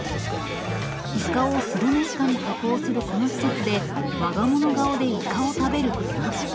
イカをスルメイカに加工するこの施設でわが物顔でイカを食べるクマ。